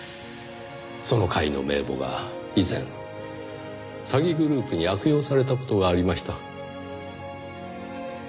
その会の名簿が以前詐欺グループに悪用された事がありました。